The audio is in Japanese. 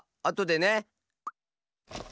あとでね。